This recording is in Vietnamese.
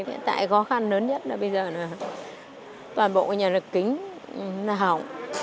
hiện tại gó khăn lớn nhất là bây giờ là toàn bộ nhà lực kính hỏng